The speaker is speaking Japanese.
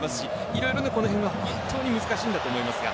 いろいろこの辺は本当に難しいと思いますが。